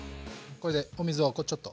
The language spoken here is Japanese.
これでお水をこうちょっと。